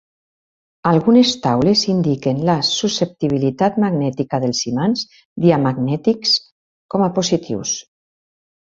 Algunes taules indiquen la susceptibilitat magnètica dels imants diamagnètics com a positius.